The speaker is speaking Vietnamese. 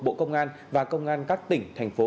bộ công an và công an các tỉnh thành phố